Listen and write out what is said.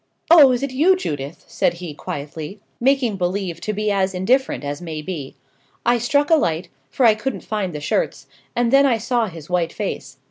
'Oh, is it you, Judith?' said he, quietly, making believe to be as indifferent as may be. I struck a light, for I couldn't find the shirts, and then I saw his white face.